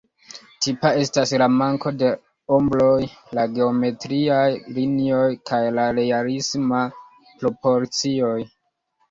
Tipa estas la manko de ombroj, la geometriaj linioj, kaj la realismaj proporcioj.